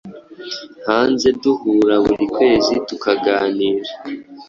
hanze duhura buri kwezi tukaganira